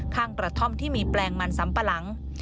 ข้างกระท่อมที่มีแปลงมันซ้ำปะหลัง